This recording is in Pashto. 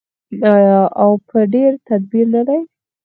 آیا او په ډیر تدبیر نه دی؟